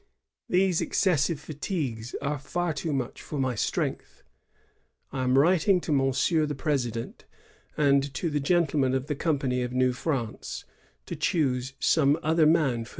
These excessive fatigues are far too much for my strength. I am writing to Monsieur the President, and to the gentlemen of the Company of New France, to choose some other man 1 Papiers tTArgeruon.